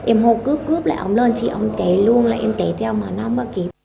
em hô cướp cướp là ông lên chị ông chạy luôn là em chạy theo mà nó mà kịp